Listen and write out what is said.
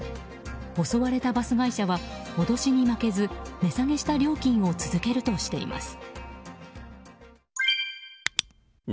襲われたバス会社は脅しに負けず値下げした料金を続けるとしています。